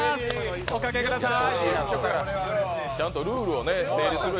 おかけください。